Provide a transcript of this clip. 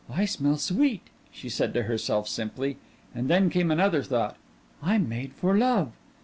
"I smell sweet," she said to herself simply, and then came another thought "I'm made for love."